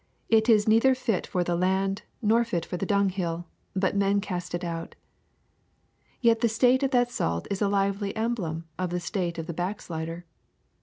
" It is neither fit for the land, nor fit for the dunghill : but men cast it out." Yet the state of that salt is a lively emblem of the state of a backslider.